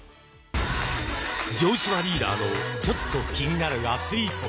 城島リーダーのちょっと気になるアスリート。